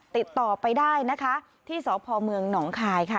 ติดต่อไปได้นะคะที่สพเมืองหนองคายค่ะ